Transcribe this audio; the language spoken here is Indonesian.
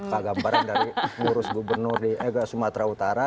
kagamparan dari murus gubernur di sumatera utara